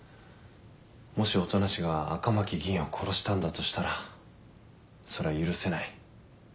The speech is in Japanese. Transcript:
もし音無が赤巻議員を殺したんだとしたらそれは許せない。